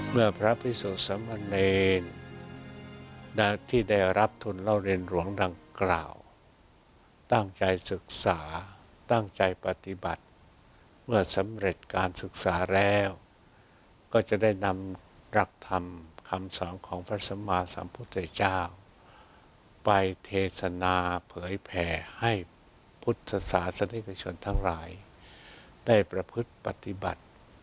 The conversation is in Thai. พระพิสุสามเนรที่ได้รับทุนเล่าเรียนหลวงดังกล่าวตั้งใจศึกษาตั้งใจปฏิบัติเมื่อสำเร็จการศึกษาแล้วก็จะได้นำกระทำคำสอนของพระสมาสัมพุทธเจ้าไปเทศนาเผยแผ่ให้พุทธศาสนิกชนทั้งรายได้ประพฤติปฏิบัติ